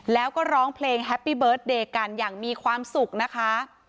แล้วก็ร้องเพลงแฮปปี้เบิร์ตเดย์กันอย่างมีความสุขนะคะ